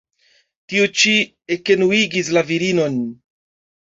Tio ĉi ekenuigis la virinon.